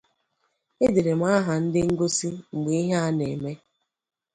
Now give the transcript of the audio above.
Edere m aha ndị nọgasị mgbe ihe a na-eme